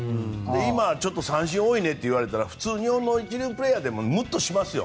今、三振多いねと言われたら日本の一流プレーヤーでもむっとしますよ。